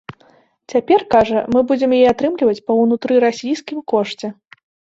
Цяпер, кажа, мы будзем яе атрымліваць па ўнутрырасійскім кошце.